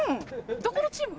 どこのチーム？